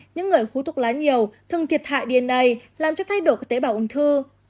những người hút thuốc lá nhiều thường thiệt hại dna làm cho thay đổi các tế bào ung thư